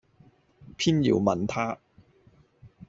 偏要問他。